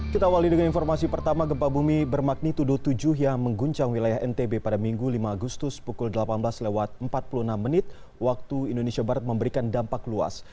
kita awali dengan informasi pertama gempa bumi bermagnitudo tujuh yang mengguncang wilayah ntb pada minggu lima agustus pukul delapan belas lewat empat puluh enam menit waktu indonesia barat memberikan dampak luas